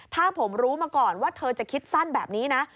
ถ้าผมรู้มาก่อนว่าเธอจะคิดสั้นแบบนี้นะ